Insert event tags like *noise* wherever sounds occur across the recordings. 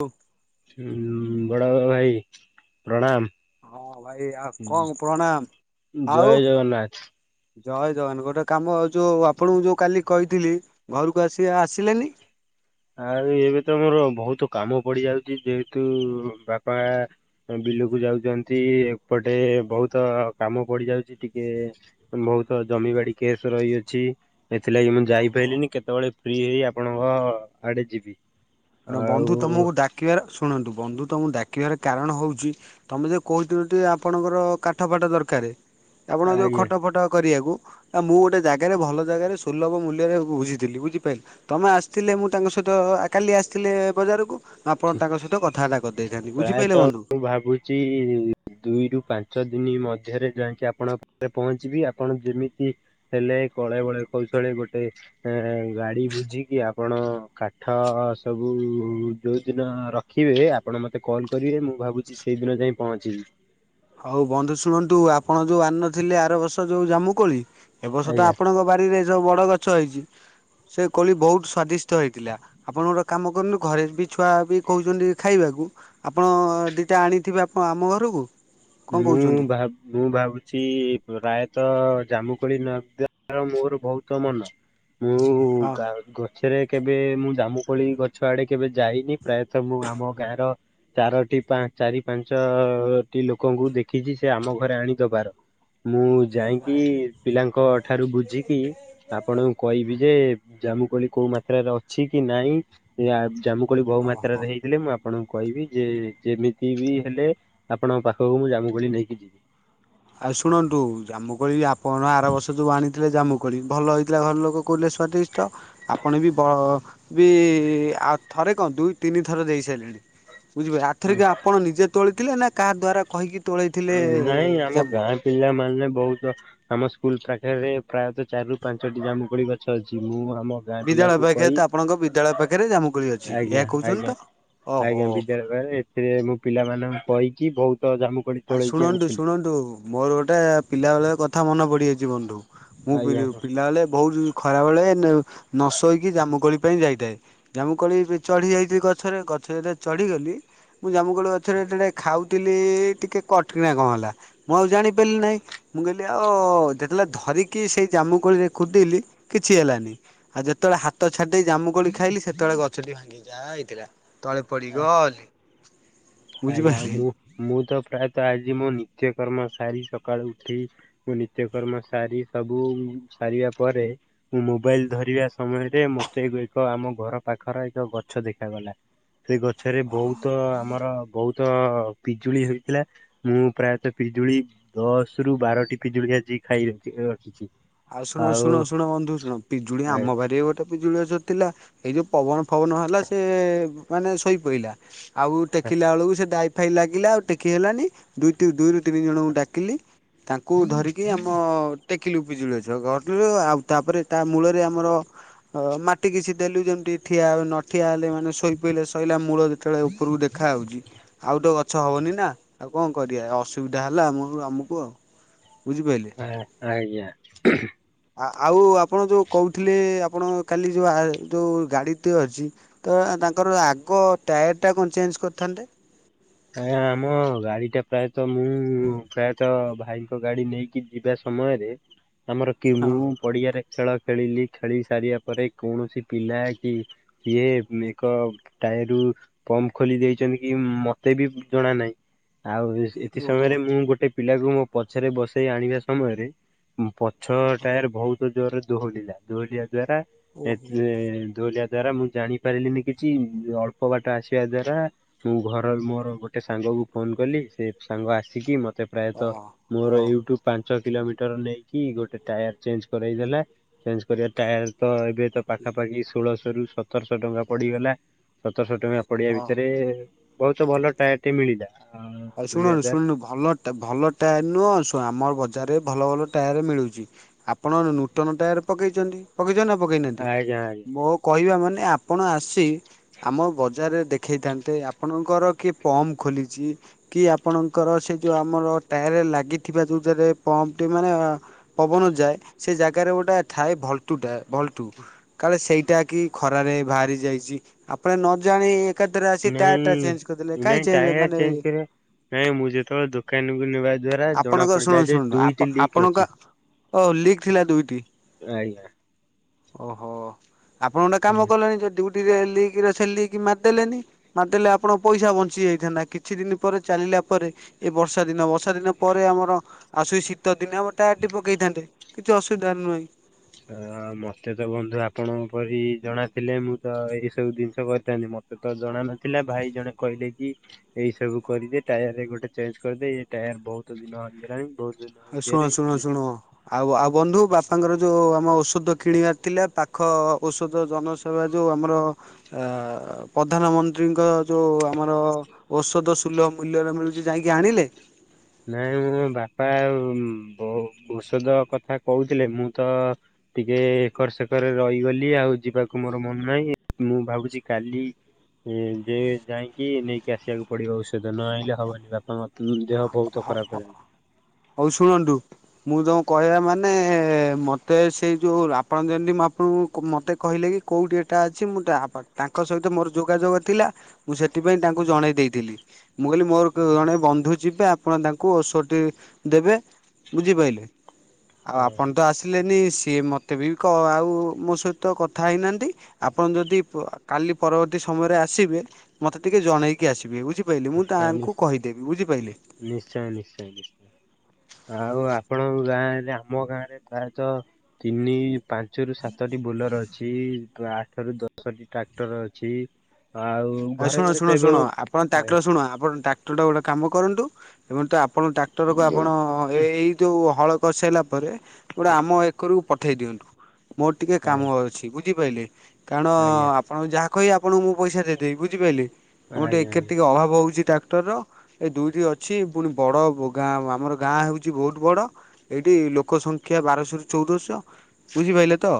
ହୁ। ବଡ ଭାଇ ପ୍ରଣାମ। ହଁ ଭାଇ ଆଉ କଣ ପ୍ରଣାମ ଜୟ ଆଉ ଜଗନ୍ନାଥ। ଜୟ ଜଗନ୍ନାଥ ଗୋଟେ କାମ ଯୋଉ ଆପଣଙ୍କୁ ଯୋଉ କାଲି କହିଥିଲି ଘରକୁ ଆସିବେ ଆସିଲେନି? ଆରେ ଏବେ ତ ମୋର ବହୁତ କାମ ପଡି ଯାଉଛି ଯେହେତୁ ବାପା ବିଲକୁ ଯାଉଛନ୍ତି ଏପଟେ ବହୁତ କାମ ପଡି ଯାଉଛି ଟିକେ ବହୁତ ଜମିିବାଡି କେସ୍ ରହିଅଛି ସେଥିଲାଗି ମୁଁ ଓହୋ। ଯାଇପାରିଲିନି କେତେବେଳେ ଫ୍ରି ହେଇ ଆପଣଙ୍କ ଅ ଆଡେ ଯିବି। ଶୁଣ ଆଉ ବନ୍ଧୁ ତମକୁ ଡାକିବାର ଶୁଣନ୍ତୁ ବନ୍ଧୁ ତମକୁ ଡାକିବାର କାରଣ ହଉଛି ତମେ ଯୋଉ କହୁଥିଲ ଟି ଆପଣଙ୍କର କାଠ ଫାଠ ଦରକାରେ ଆପଣଙ୍କ ଯୋଉ ଆଜ୍ଞା ଖଟ ଫଟ କରିବାକୁ ତ ମୁଁ ଗୋଟେ ଜାଗାରେ ଭଲ ଜାଗାରେ ସୁଲଭ ମୂଲ୍ୟରେ ବୁଝିଥିଲି ବୁଝିପାରିଲେ। ତମେ ଆସିଥିଲେ ମୁଁ ତାଙ୍କ ସହିତ କାଲି ଆସ ଥିଲେ ବଜାରକୁ ଠିକ ଆପଣ ତାଙ୍କ ସହିତ କଥାବାର୍ତ୍ତା କରିଦେଇଥାନ୍ତି ବୁଝିପାରିଲେ ବନ୍ଧୁ। ଛି ଦୁଇରୁୁ ପାଞ୍ଚ ଦିନ ମଧ୍ୟରେ ଯାଇକି ଆପଣଙ୍କ ପାଖରେ ପହଞ୍ଚିବି ଆପଣ ଯେମିତି ହେଲେ କଳେ ବଳେ କୌଶଳେ ଗୋଟେ ଏଁ ଗାଡି ବୁଝିକି ଆପଣ କାଠ ସବୁ ଯଉ ଦିନ ରଖିବେ ଆପଣ ମତେ କଲ୍ କରିବେ ମୁଁ ଭାବୁଛି ସେଇଦିନ ଯାଇ ପହଞ୍ଚିବି। ଆଉ ବନ୍ଧୁ ଶୁଣନ୍ତୁ ଆପଣ ଯୋଉ ଆଣିନଥିଲେ ଆର ବର୍ଷ ଯୋଉ ଜାମୁ କୋଳି ଏ ବର୍ଷ ତ ଆଜ୍ଞା। ଆପଣଙ୍କ ବାରିରେ ହେଇଥିବ ବଡ଼ ଗଛ ହେଇଛି ସେ କୋଳି ବହୁତ ସ୍ଵାଦିଷ୍ଟ ହେଇଥିଲା। ଆପଣ ଗୋଟେ କାମ କରନ୍ତୁ ଘରେ ବି ଛୁଆ ବି କହୁଛନ୍ତି ଖାଇବାକୁ ଆପଣ ଦିଟା ଆଣିଥିବେ ଆପ୍ ଆମ ଘରକୁ କଣ ମୁଁ କହୁଛନ୍ତି? ଭାବ ମୁଁ ଭାବୁ ଛି ପ୍ରାୟତଃ ଜାମୁକୋଳି ନଦାର ମୋର ବହୁତ ମନ ମୁଁ ହଁ ଗା ଗ ଗଛରେ କେବେ ମୁଁ ଜାମୁକୋଳି ଗଛ ଆଡ଼େ କେବେ ଯାଇନି ପ୍ରାୟତଃ ମୁଁ ଆମ ଗାଁର ଚାରୋ ଟି ପା ଚାରି ପାଞ୍ଚଟି ଲୋ କଙ୍କୁ ଦେଖିଛି ସେ ଆମ ଘରେ ଆଣିଦବାର ମୁଁ ଯାଇକି ପିଲାଙ୍କ ଠାରୁ ବୁଝିକି ଆପଣଙ୍କୁ କହିବି ଯେ ଜାମୁକୋଳି କୋଉ ମାତ୍ରାରେ ଅଛି କି ନାହିଁ ୟା ଜାମୁ କୋଳି ବହୁ ଓହୋ। ମାତ୍ରାରେ ହେଇଥିଲେ ମୁଁ ଆପଣଙ୍କୁ କହିବି ଯେ ଯେମିତି ବି ହେଲେ ଆପଣଙ୍କ ପାଖ ହଉ ମୁଁ ଜାମୁକୋଳି ନେଇକି ଯିବି। ଆଉ ଶୁଣନ୍ତୁ ଜାମୁକୋଳି ଆପଣ ଆର ବର୍ଷ ଯୋଉ ଆଣିଥିଲେ ଜାମୁକୋଳି ଭଲ ହେଇଥିଲା ଘର ଲୋକ କହୁଥିଲେ ସ୍ୱାଦିଷ୍ଟ ଆପଣ ବି ବ ବି ଆଉ ଥରେ କଣ ଦୁଇ ତିନି ଥର ଦେଇ ସାରିଲେଣି ବୁଝିପାରିଲେ ଆଥରିକ ଆପଣ ନିଜେ ତୋଳିଥିଲେ ନା କାହା ଦ୍ଵାରା କହିକି ତୋଳେଇଥିଲେ ନାଇଁ ଆମ ଜାମୁ? ଗାଁ ପିଲାମାନେ ବହୁତ ଆମ ସ୍କୁଲ ପାଖରେ ପ୍ରାୟତଃ ଚାରିରୁ ପାଞ୍ଚଟି ଜାମୁକୋଳି ଗଛ ଅଛି ମୁଁ ଆମ ଗାଁ ବିଦ୍ୟାଳୟ ପିଲାଙ୍କୁ ପାଖରେ କହି ତ ଆପଣଙ୍କ ବିଦ୍ୟାଳୟ ପାଖରେ ଜାମୁକୋଳି ଅଛି ଏହା ଆଜ୍ଞା କହୁଛନ୍ତି ଆଜ୍ଞା ତ? ଆଜ୍ଞା ଓହୋ। ବିଦ୍ୟାଳୟରେ ଏଥିରେ ମୁଁ ପିଲାମାନଙ୍କୁ କହିକି ବହୁତ ଜାମୁ କୋଳି ଆ ଶୁଣନ୍ତୁ ଶୁଣନ୍ତୁ ମୋର ଗୋଟେ ପିଲାବେଳର କଥା ମନେ ପଡ଼ିଯାଉ ଛି ବନ୍ଧୁ ମୁଁ ବି ଆଜ୍ଞା ପିଲାବେଳେ ବହୁତ ଖରା ବେଳେ ନ ସୋଇକି ଜାମୁକୋଳି ପାଇଁ ଯାଇଥାଏ ଜାମୁକୋଳି ଚଢ଼ି ଯାଇଛି ଗଛରେ ଗଛରେ ଯେତେବେଳେ ଚଢ଼ିଗଲି ମୁଁ ଜାମୁକୋଳି ଗଛରେ ଯେତେବେଳେ ଖାଉଥିଲି ଟିକେ କଟକିଣା କଣ ହେଲା ମୁଁ ଆଉ ଜାଣିପାରିଲି ନାହିଁ ମୁଁ କହିଲି ଆ ଓ ଓ ଯେତେବେଳେ ଧରିକି ସେଇ ଜାମୁକୋଳିରେ କୁଦିଲି କିଛି ହେଲାନି ଆଉ ଯେତେବେଳେ ହାତ ଛାଡ଼ି ଦେଇ ଜାମୁ କୋଳି ଖାଇଲି ସେତେବେଳେ ଗଛଟି ଭାଙ୍ଗି ଯାଇଥିଲା। ତଳେ ପଡ଼ିଗଲି। ଆଜ୍ଞା ବୁଝିପାରିଲେ। ମୁଁ ମୁଁ ତ ପ୍ରାୟତଃ ଆଜି ମୋ ନିତ୍ୟ କର୍ମ ସାରି ସକାଳୁ ଉଠି ମୁଁ ନିତ୍ୟକର୍ମ ସାରି ସବୁ ସାରିବା ପରେ ମୁଁ ମୋବାଇଲ ଧରିବା ସମୟରେ ମତେ ଏବେ ଏକ ଆମ ଘର ପାଖର ଏକ ଗଛ ଦେଖାଗଲା ସେ ଗଛରେ ବହୁତ ଆମର ବହୁତ ପିଜୁଳି ହୋଇଥିଲା। ମୁଁ ପ୍ରାୟତଃ ପିଜୁଳି ଦଶ ରୁ ବାରଟି ପିଜୁଳି ଆଜି ଖାଇ ରଖିଛି। ଆଉ ଶୁଣ ଶୁଣ ଶୁଣ ବନ୍ଧୁ ଶୁଣ ପିଜୁଳି ଆମ ବରିରେ ଗୋ ତ ପିଜୁଳି ଗଛ ଥିଲା ଏଇ ଯୋଉ ପବନ ଫବନ ହେଲା ସେ ମାନେ ଶୋଇପଇଲା। ଆଉ ଆଜ୍ଞା। ଟେକିଲା ବେଳକୁ ସେ ଡାଇଫାଇ ଲାଗିଲା ଆଉ ଟେକି ହେଲାନି ଦୁଇ ଦୁଇରୁ ତିନି ଜଣଙ୍କୁ ଡାକିଲି ତାଙ୍କୁ ଧରିକି ଆମ ଟେକିଲୁ ବିିଜୁଳି ଅଛ *unintelligible* ଆଉ ତାପରେ ତା ମୂଳରେ ଆମର ହ ମାଟି କିଛି ଦେଲୁ ଯେମିତି ଠିଆ ନ ଠିଆ ହେଲେ ମାନେ ଶୋଇ ପଇଲେ ଶଇଲା ମୂଳରେ ସେତେବେଳେ ଉପୁରୁକୁ ଦେଖାଉଛି ଆଉ ତ ଗଛ ହବନି ନା ଆଉ କଣ କରିବା ଅସୁବିଧା ହେଲା ଆମ ଆମୁକୁ ଆଉ ବୁଝି ପାଇଲେ ଆ ଆଜ୍ଞା। ଆଉ ଆପଣ ଯୋଉ କହୁଥିଲେ ଆପଣ କାଲି ଯୋଉ ହା ଯୋଉ ଗାଡ଼ି ଟିଏ ଅଛି ତ ତାଙ୍କର ଆଗ ଟାୟାର ଟା କଣ ଚେଞ୍ଚ୍ କରିଥାନ୍ତେ? ଆଜ୍ଞା ଆମ ଗାଡ଼ି ଟା ପ୍ରାୟତଃ ମୁଁ ପ୍ରାୟତଃ ଭାଇଙ୍କ ଗାଡ଼ି ନେଇକି ଯିବା ସମୟରେ ଆମର ହଁ କେମୁ ପଡ଼ିଆରେ ଖେଳ ଖେଳିଲି ଖେଳି ସାରିବା ପରେ କୌଣସି ପିଲା କି ଇଏ ଏକ ଟାଏରୁ ପମ୍ପ ଖୋଲି ଦେଇଛନ୍ତି କି ମ ତେ ବି ଜଣା ନାହିଁ ଆଉ ଏଥି ଓହୋ ସମୟରେ ମୁଁ ଗୋଟେ ପିଲାକୁ ମୋ ପଛରେ ବସେଇ ଆଣିବା ସମୟରେ ଉ ପଛ ଓହୋ ଟାୟାର ବହୁତ ଜୋରେ ଦୋହଲିଲା। ଦୋହଲିଆ ଦ୍ଵାରା, ଓହୋ ଏଥିରେ ଦୋହଲିଆ ଦ୍ଵାରା, ମୁଁ ଜାଣି ପାରିଲିନି କିଛି। ଅଳ୍ପ ବାଟ ଆସିବା ଦ୍ଵାରା ମୁଁ ଘ ମୋର ଗୋଟେ ସାଙ୍ଗକୁ ଫୋନ୍ କଲି, ସେ ସାଙ୍ଗ ଆସିକି ମୋତେ ପ୍ରାୟତଃ ଓହୋ ଓ ମୋର ୟୁଟ୍ୟୁବ୍ ପାଞ୍ଚ କିଲୋମିଟର ନେଇକି, ଗୋଟେ ଟାୟାର ଚେଞ୍ଜ କରେଇ ଦେଲା। ଚେଞ୍ଜ କରିଆ ଟାୟାର ତ ବେ ତ ପାଖାପାଖି ଷୋଳଶହ ରୁ ସତରଶହ ଟଙ୍କା ପଡିଗଲା। ସତରଶହ ଟଙ୍କା ପଡିଆ ଓ ଭିତରେ-ଏ ବହୁତ ଭଲ ଟାୟାର୍ ଟେ ମିଳିଲା। ଆ, ଆରେ ମିଳିବା ଶୁଣରେ ଦ୍ୱାରା ଶୁନୁବା ଭଲ -ଭଲ ଟାୟାର୍ ନୁହଁ, ସୋ ଆମ ବଜାରରେ ଭଲ ଭଲ ଟାୟାର ମିଳୁଚି। ଆପଣ ନୂତନ ଟାୟାର ପକେଇଚନ୍ତି, ପକେଇଚନ୍ତି ନା ପକେଇନାହାଁନ୍ତି? ଆଜ୍ଞା ଆଜ୍ଞା ମୋ କହିବା ମାନେ, ଆପଣ ଆସି ଆମ ବଜାରରେ ଦେଖେଇଥାନ୍ତେ। ଆପଣଙ୍କର କିଏ ପମ୍ପ ଖୋଲିଚି? କି ଆପଣଙ୍କର, ସେ ଯୋଉ ଆମର ଟାୟାର୍ ରେ ଲାଗିଥିବା, ଯୋଉ ଧେରେ ପମ୍ପଟି ମାନେ ପବନ ଯାଏ। ସେ ଜାଗାରେ ଗୋଟେ ଥାଏ, ଭଲ୍ଟୁ ଟାୟାର ଭଲ୍ଟୁ କାଳେ ସେଇଟା କି ଖରାରେ ବାହାରି ଯାଇଛି। ଆପଣ ନ ଜାଣି ଏକା ଥରେ ଆସି ଟାୟାର୍ ଟା ଚେଞ୍ଜ କରିଦେଲେ, ନାଇଁ କାଇଁ ନାଇଁ ଚେଞ୍ଜ୍ ଟାୟାର ମାନେ ଚେଞ୍ଜ ଏଇ କରିବା ନାଇଁ, ମୁଁ ଯେତବେଳେ ଦୋକାନ କୁ ନେବା ଦ୍ଵାରା ଜଣା ଆପଣଙ୍କର ଶୁଣୁ ପଡିଲା ଯେ, ଶୁଣୁ ଦୁଇଟି ଲିକ୍ ଆପଣଙ୍କ ଅଛି। ଓ ଲିକ୍ ଥିଲା ଦୁଇଟି ଆଜ୍ଞା, ଓହୋ! ଆପଣ ଗୋଟେ କାମ କଲେଣି, ଯେ ଡଉଟିରେ ଲିକ୍ ରେ ଥିଲି ଲିକ୍ ମାରିଦେଲେନି? ମାର୍ ଦେଲେ ଆପଣଙ୍କ ପଇସା ବଞ୍ଚି ଯାଇଥାନ୍ତା। କିଛି ଦିନି ପରେ ଚାଲିଲା ପରେ, ଏ ବର୍ଷା ଦିନ ବଷ୍ ଷା ଦିନ ପରେ ଆମର ଆସୁସି ଶୀତ ଦିନ, ଆମର ଟାର୍ ଟି ପକେଇଥାନ୍ତେ? କିଛି ଅସୁବିଧା ନୁହେଁ। ଆ, ମତେ ତ ବନ୍ଧୁ ଆପଣଙ୍କ ପରି ଜଣାଥିଲେ, ମୁଁ ତ ଏଇ ସବୁ ଜିନିଷ କରିଥାନ୍ତି। ମତ୍ ସେତଳେ ଜଣା ନଥିଲା, ଭାଇ ଜଣେ କହିଲେ କି ଏଇ ସବୁ କରିଦେ, ଟାୟାର ରେ ଗୋଟେ ଚେଞ୍ଜ୍ କରିଦେ। ଏ ଟାୟାର୍ ବହୁତ ଦିନ ହେଇଗଲାଣି। ବହୁତ ଦି ଏ ଶୁଣ ଶୁଣ ଶୁଣ ଆଉ, ଆଉ ବନ୍ଧୁ, ବାପାଙ୍କର ଯୋଉ ଆମ ଔଷଧ କିଣିବାର ଥିଲା, ପାଖ ଔଷଧ ଜନ ସେବା ଯଉ ଆମର ଆ, ପ୍ରଧାନମନ୍ତ୍ରୀଙ୍କ ଯଉ ଆମର ଔଷଧ ସୁଲଭ ମୂଲ୍ୟରେ ମିଳୁଚି, ଯାଇକି ଆଣିଲେ? ନାଇଁ, ମୋ ବାପା ବ ଔଷଧ କଥା କହୁଥିଲେ। ମୁଁ ତ ଟିକେ ଏକର ସେକରରେ ରହିଗଲି ଆଉ, ଯିବାକୁ ମୋର ମନ ନାହିଁ। ମୁଁ ଭାବୁଛି କାଲି ଏଯେ ଯାଇଁକି ନେଇକି ଆସିବାକୁ ପଡିବ ଔଷଧ। ନ ଆଇଁଲେ ହବନି, ବାପା ମତେ ଦେହ ବହୁତ ଖେଳେ ହଉ ଶୁଣନ୍ତୁ? ମୁଁ ଯଉଁ କହିଆ ମାନେ-ଏ, ମୋତେ ସେଇ ଯଉ ଆପଣ ଯେମିତିଁ, ମୁଁ ଆପଣଙ୍କୁ ମୋତେ କହିଲେ କି କୋଉଠି ଏଟା ଅଛି? ମୁଁ ତାପାଖ୍, ତାଙ୍କ ସହିତ ମୋର ଯୋଗାଯୋଗ ଥିଲା। ମୁଁ ସେଥିପାଇଁ ତାଙ୍କୁ ଜଣେଇ ଦେଇଥିଲି। ମୁଁ କହିଲି, ମୋର କଣେ ବନ୍ଧୁ ଯିବେ, ଆପଣ ତାଙ୍କୁ ଔଷଟିି ଦେବେ, ବୁଝିପାଇଲେ! ଆଉ ଆପଣ ତ ଆସି ଥିଲେନି, ସିଏ ମୋତେ ବି କ ଆଉ ମୋ ସହିତ କଥା ହେଇନାହାଁନ୍ତି? ଆପଣ ଯଦି ପ କାଲି ପରବର୍ତ୍ତୀ ସମୟରେ ଆସିବେ, ମତେ ଟିକେ ଜଣେଇ କି ଆସିବେ। ବୁଝି ପାଇଲେ, ମୁଁ ହେଲାଣି। ତାଙ୍କୁ କହିଦେବି। ବୁଝିପାଇଲେ? ନିଶ୍ଚୟ ନିଶ୍ଚୟ ନିଶ୍ଚ ଆଉ, ଆପଣଙ୍କ ଗାଁରେ, ଆମ ଗାଁରେ ପ୍ରାୟତଃ ତିନି, ପାନ୍ ଞ୍ଚରୁ ସାତଟି ବୁଲର ଅଛି। ଆଠ ର ଦଶଟି ଟ୍ରାକ୍ଟର ଅଛି। ଆଉ ଆ ଘରେ ଶୁଣ ଘରେ ତ ଶୁଣ ଏବେ ଶୁଣ ଆପଣ ଆଜ୍ଞା ଟାକ୍ଟର, ଶୁଣ ଆପଣ ଟ୍ରାକ୍ଟର ଟା ଗୋଟେ କାମ କରନ୍ତୁ ଏବଂ ତ ଆପଣ ଟ୍ରାକ୍ଟର କୁ ଆପଣ ଏ ଏଇ ଯଉ ହଳ କରିସାରିଲା ପରେ ଗୋଟେ ଆମ ଏକରକୁ ପଠେଇ ଦିଅନ୍ତୁ। ମୋର ଟିକେ କାମ ଆଜ୍ଞା ଅଛି ବୁଝିପାରିଲେ କାରଣ ଆଜ୍ଞା ଆପଣ ଯାହା କହିବେ ଆପଣଙ୍କୁ ମୁଁ ପଇସା ଦେ ଦେଇ ବୁଝିପାରିଲେ ମୁଁର ଟିକେ ଆଜ୍ଞା। ଏକରେ ଆଜ୍ଞା ଟିକେ ଅଭାବ ହଉଚି ଟ୍ରାକ୍ଟରର ଏ ଦୁଇଟି ଅଛି ପୁଣି ବଡ଼ ଗାଁ ଆମର ଗାଁ ହେଉଚି ବହୁତ୍ ବଡ଼ ଏଇଠି ଲୋକ ସଂଖ୍ୟା ବାରଶହରୁ ଚଉଦଶହ ବୁଝିପାରିଲେତ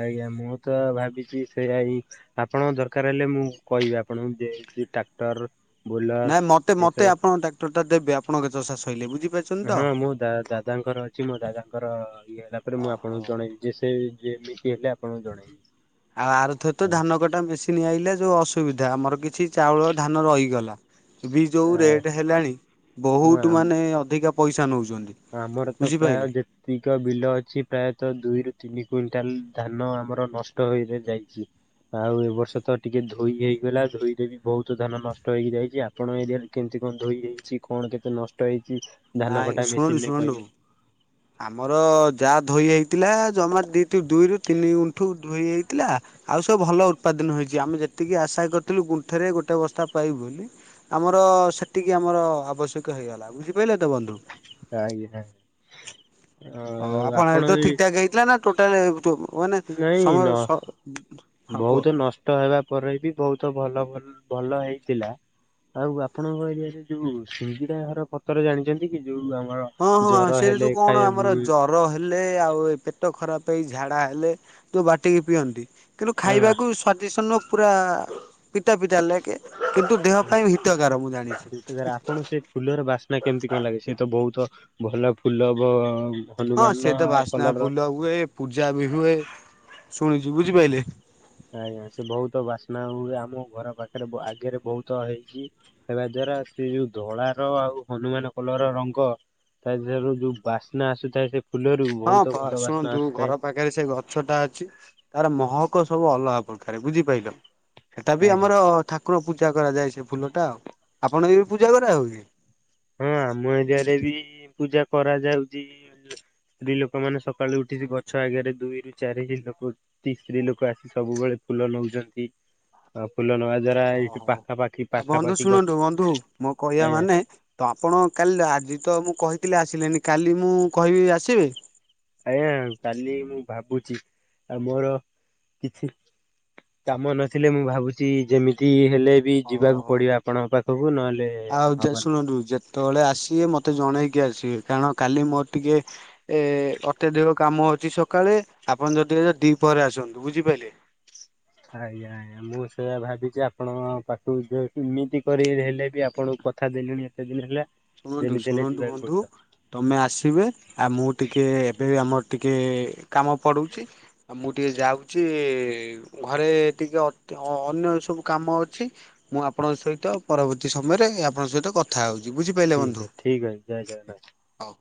ଆଜ୍ଞା ମୁଁ ତ ଭାବିଛି ସେ ଆଇ ଆପଣଙ୍କ ଦରକାର ହେଲେ ମୁଁ କହିବି ଆପଣଙ୍କୁ ଟ୍ରାକ୍ଟର ବୋଲର ନାଇଁ ମତେ ମତେ ଏସବୁ ଆପଣଙ୍କ ଟ୍ରାକ୍ଟରଟା ଦେବେ ଆପଣଙ୍କ ଚଷା ସଇଲେ ବୁଝିପା ହଁ ମୁଁ ଦା ଦାଦାଙ୍କର ଅ ଛି ମୋ ଦାଦାଙ୍କର ଇଏ ହେଲା ପରେ ମୁଁ ଓହୋ। ଆପଣଙ୍କୁ ଜଣେଇବି ଯେ ସେ ଯେମିତି ହେଲେ ଆପଣଙ୍କୁ ଜଣେଇବି। ଆଉ ଆରଥରେ ତ ହଁ ଧାନ କଟା ମେସିନ୍ ଆଇଲା ଯୋଉଁ ଅସୁବିଧା ଆମର କିଛି ଚାଉଳ ଧାନ ରହିଗଲା। ଏ ବି ଯୋଉ ଆ ରେଟ ହେଲାଣି ହଁ ବହୁତ ଆମ ମାନେ ଅଧିକା ପଇସା ନଉଛନ୍ତି। ଆମର ତ ପ୍ରାୟ ବୁଝିପାଇଲେ। ଯେ ତିକ ବିଲ ଅଛି ପ୍ରାୟତଃ ଦୁଇରୁ ତିନି କୁଇଣ୍ଟାଲ ଧାନ ଆମର ନଷ୍ଟ ହୋଇ ଯାଇଛି। ଆଉ ଏ ବର୍ଷ ତ ଟିକେ ଧୋଇ ହେଇଗଲା ଧୋଇରେ ବି ବହୁତ ଧାନ ନଷ୍ଟ ହେଇକି ଯାଇଛି ଆଉ। ଆପଣଙ୍କ ଏରିଆରେ କେମିତି କଣ ଧୋଇଯାଇଛି କଣ କେତେ ନଷ୍ଟ ହେଇଛି? ଧାନ ନାଇଁ କଟା ମେସିନ ଶୁଣନ୍ତୁ ରେ ଶୁଣନ୍ତୁ? କହିବେ ଆମର ଯା ଧୋଇ ହେଇଥିଲା ଜମା ଦ ଦୁଇରୁ ତିନି ଗୁଣ୍ଠୁ ଧୋଇ ହେଇଥିଲା। ଆଉ ସବୁ ଭଲ ଉତ୍ପାଦନ ହେଇଛି ଆମେ ଯେତିକି ଆଶା କରିଥିଲୁ ଗୁଣ୍ଠରେ ଗୋଟେ ବସ୍ତା ପାଇବୁ ବୋଲି। ଆମର ସେତିିକି ଆମର ଆବଶ୍ୟକ ହେଇଗଲା ବୁଝିପାରିଲେ ତ ବନ୍ଧୁ। *unintelligible* ହଉ ଆଉ ଆପଣ ତ ଏଇ ଠିକ ଠାକ ହେଇଥିଲା ନା ଟୋଟାଲ ମାନେ ନାଇଁ ସମୟ ନ ସ ହଁ କୁହ? ବହୁତ ନଷ୍ଟ ହେବା ପରେ ବି ବହୁତ ଭଲ ଭଲ ହେଇଥିଲା। ଆଉ ଆପଣଙ୍କ ଏରିଆରେ ଯୋଉ ସିଙ୍ଗିଡ଼ା ଘର ପତର ଜାଣିଛନ୍ତି କି ଯୋଉ ଆମର ହଁ ହଁ ଜର ସେଇଟା ଯୋଉ ହେଲେ କଣ ଆମର ଖାଇବାକୁ ଜର ବର ହେଲେ ଆଉ ଏ ପେଟ ଖରାପ ହେଇ ଝାଡା ହେଲେ ତୋ ବାଟିକି ପିଅନ୍ତି। କିନ୍ତୁ ଖାଇବାକୁ ହଁ ସ୍ଵାଦିଜନ୍ନ ପୁରା ପିତା ପିତା ଲୋଗେ କିନ୍ତୁ ଦେହ ପାଇଁ ହିତକାର ମୁଁ ଜୁତିକାର ଜାଣିଛି। ଆପଣଙ୍କୁ ସେ ଫୁଲର ବାସ୍ନା କେମିତି କଣ ଲାଗେ ସେ ତ ବହୁତ ଭଲ ଫୁଲ ବ ହଁ ସେ ହନୁମାନ ତ ବାସ୍ନା କଲର ଫୁଲ ହୁଏ ପୂଜା ବି ହୁଏ ଶୁଣିଛି ବୁଝିପାଇଲେ। ଆଜ୍ଞା ସେ ବହୁତ ବାସ୍ନା ହୁଏ ଆମ ଘର ପାଖରେ ଆଗରେ ବହୁତ ହେଇଛି। ହେବା ଦ୍ଵାରା ସେ ଯୋଉ ଧଳା ର ଆଉ ହନୁମାନ କଲର ର ରଙ୍ଗ ତାଧିଅରୁ ଯୋଉ ବାସ୍ନା ଆସୁଥାଏ ସେ ଫୁଲରୁ ବହୁତ ଭଲ ବାସ୍ନା ଆସୁଥାଏ। ଆଗେରେ ସେ ଗଛ ଟା ଅଛି ତାର ମହକ ସବୁ ଅଲଗା ପ୍ରକାର ବୁଝି ପାଇଲ ସେଟା ବି ଆଜ୍ଞା ଆମର ଠାକ ଠାକୁର ପୂଜା କରାଯାଏ ସେ ଫୁଲଟା ଆଉ ଆପଣ ବି ପୂଜା କରାହେଉଚି? ହଁ ଆମ ଏରିଆରେ ବି ପୂଜା କରାଯାଉଚି। ସ୍ତ୍ରୀ ଲୋକମାନେ ସକାଳୁ ଉଠିକି ଗଛ ଆଗରେ ଦୁଇରୁ ଚାରିଟି ଲୋକ ସ୍ତ୍ରୀ ଲୋକ ଆସି ସବୁବେଳେ ଫୁଲ ନଉଛନ୍ତି ଆ ଫୁଲ ନବା ଦ୍ଵାରା ଏଇଠି ଓହୋ ପାଖାପାଖି ଆଉ ବନ୍ଧୁ ପାଖାପାଖି ଗ ଶୁଣନ୍ତୁ ବନ୍ଧୁ ମୋ କହିବା ଆଜ୍ଞା ମାନେ ତ ଆପଣ କାଲି ଆଜି ତ ମୁଁ କହିଥିଲି ଆସିଲେନି, କାଲି ମୁଁ କହିବି ଆସିବେ? ଆଜ୍ଞା କାଲି ମୁଁ ଭାବୁଛି ଆଉ ମୋର କିଛି କାମ ନଥିଲେ ମୁଁ ଭାବୁଛି ଯେମିତି ହେଲେ ବି ଅ ଯିବାକୁ ପଡିବ ଆପଣଙ୍କ ପାଖକୁ ନହେଲେ ହବନି। ଖନ୍ତୁ ଯେ ତବେଳେ ଆସିବେ ମୋତେ ଜଣେଇକି ଆସିବେ କାରଣ କାଲି ମୋର ଟିକେ ଏ ଅତ୍ୟଧିକ କାମ ଅଛି ସକାଳେ ଆପଣ ଯଦି ହବ ଦି ପହରେ ଆସନ୍ତୁ ବୁଝିପାରିଲେ? ଆଜ୍ଞା ଆଜ୍ଞା ମୁଁ ସେୟା ଭାବିଛି ଆପଣ ପାଖକୁ ଯେମିତି କରି ହେଲେ ବି ଆପଣଙ୍କୁ କଥା ଦେଲିଣି ଏତେ ଦିନ ହେଲା। ଶୁଣନ୍ତୁ ଯେମିତି ହେଲେ ଶୁଣନ୍ତୁ ଯିବାକୁ ବନ୍ଧୁ? ପଡିବ ତମେ ଆସିବେ ଆ ମୁଁ ଟିକେ ଏବେ ବି ଆମର ଟିକେ କାମ ପଡୁଚି। ଆଉ ମୁଁ ଟିକେ ଯାଉଛି ଘରେ ଟିକେ ଅନ୍ୟ ସବୁ କାମ ଅଛି। ମୁଁ ଆପଣଙ୍କ ସହିତ ପରବର୍ତ୍ତୀ ସମୟରେ ଆପଣଙ୍କ ସହିତ କଥା ହଉଛି ବୁଝି ଠିକ୍ ଅଛି ଠିକ୍ ଅଛି ଜୟ ଜଗନ୍ନାଥ। ହଉ।